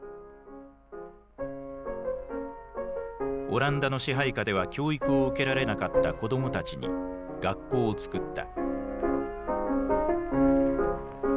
オランダの支配下では教育を受けられなかった子どもたちに学校をつくった。